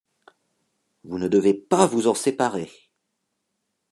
Vous ne devez pas vous en séparer.